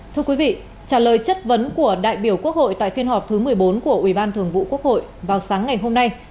thưa quý vị trả lời chất vấn của đại biểu quốc hội tại phiên họp thứ một mươi bốn của ubthqh vào sáng ngày hôm nay